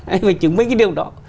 anh phải chứng minh cái điều đó